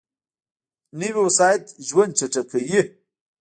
نوې وسایط ژوند چټک کوي